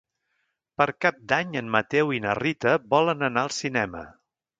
Per Cap d'Any en Mateu i na Rita volen anar al cinema.